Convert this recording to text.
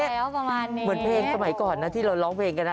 เหมือนเพลงสมัยก่อนที่เราร้องเพลงกัน